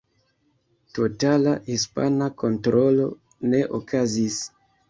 Totala hispana kontrolo ne okazis.